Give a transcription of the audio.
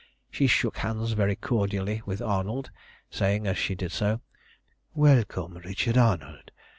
She shook hands very cordially with Arnold, saying as she did so "Welcome, Richard Arnold!